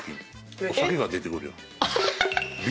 お酒が出てくるよ。